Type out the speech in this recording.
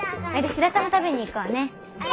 白玉食べに行こうね。